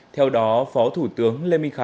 theo đó phó thủ tướng